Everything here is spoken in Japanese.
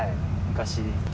昔。